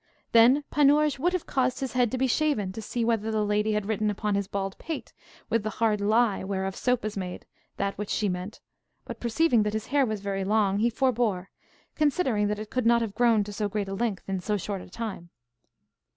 Then Panurge would have caused his head to be shaven, to see whether the lady had written upon his bald pate, with the hard lye whereof soap is made, that which she meant; but, perceiving that his hair was very long, he forbore, considering that it could not have grown to so great a length in so short a time.